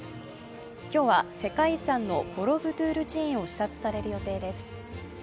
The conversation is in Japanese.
今日は世界遺産のボロブドール寺院を視察される予定です。